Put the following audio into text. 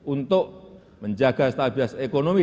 untuk menjaga stabilitas ekonomi